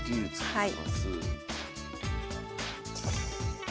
はい。